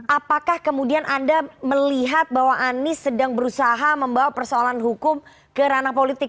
apakah kemudian anda melihat bahwa anies sedang berusaha membawa persoalan hukum ke ranah politik